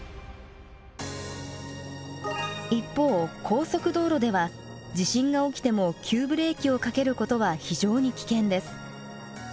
一方高速道路では地震が起きても急ブレーキをかけることは非常に危険です。